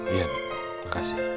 iya terima kasih